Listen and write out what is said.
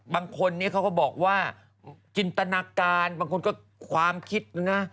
บางคนนี้เขาก็บอกว่าจินตนาการบางคนก็ความคิดนะ